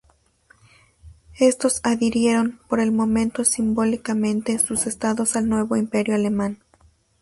Estos adhirieron, por el momento simbólicamente, sus estados al nuevo Imperio alemán.